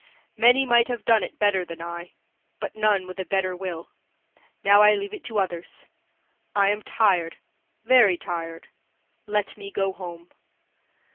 Many might have done it better than I but none with a better will. Now I leave it to others; I am tired, very tired. Let me go home."